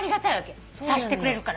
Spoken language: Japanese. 察してくれるから。